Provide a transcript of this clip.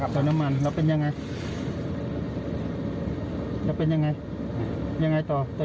ตัวน้ำมันแล้วเป็นยังไงแล้วเป็นยังไงยังไงต่อตัว